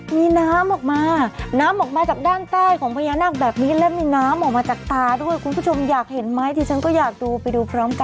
มีน้ำออกมาน้ำออกมาจากด้านใต้ของพญานาคแบบนี้และมีน้ำออกมาจากตาด้วยคุณผู้ชมอยากเห็นไหมที่ฉันก็อยากดูไปดูพร้อมกัน